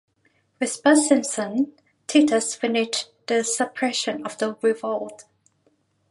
Vespasian's son, Titus finished the suppression of the revolt.